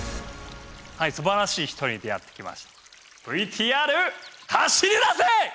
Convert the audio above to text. はいすばらしい人に出会ってきました。